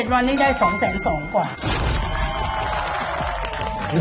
๗วันนี้ได้๒๒แสนกว่า